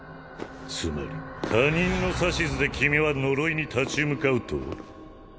つまり他人の指図で君は呪いに立ち向かうと？